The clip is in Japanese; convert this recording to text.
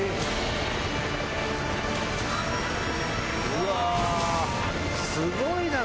うわすごいな。